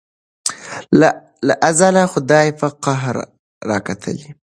له ازله خدای په قهر را کتلي